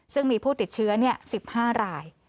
ซึ่งมีผู้ติดเชื้อ๑๕ราย